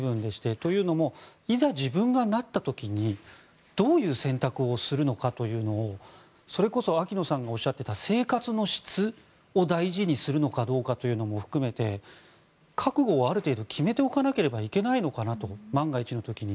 というのもいざ自分がなった時にどういう選択をするのかというのをそれこそ秋野さんがおっしゃっていた生活の質を大事にするのかどうかというのも含めて覚悟はある程度決めておかなければいけないのかなと万が一の時に。